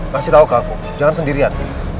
kasih tahu ke aku jangan sendirian